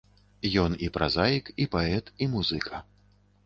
Ён і празаік, і паэт, і музыка.